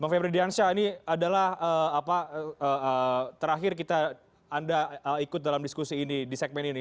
bang febri diansyah ini adalah apa terakhir anda ikut dalam diskusi ini di segmen ini